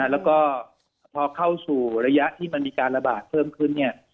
แล้วก็พอเข้าสู่ระยะที่มันมีการระบาดเพิ่มขึ้นเนี่ย